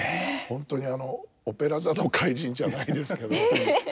本当にあの「オペラ座の怪人」じゃないですけど。え。